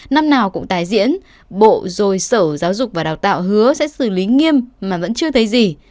năm nào cũng tái diễn bộ rồi sở giáo dục và đào tạo hứa sẽ xử lý nghiêm mà vẫn chưa thấy gì